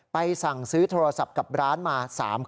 สั่งซื้อโทรศัพท์กับร้านมา๓๐๐